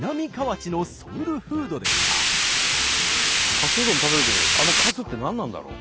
かすうどん食べるけどあのかすって何なんだろ？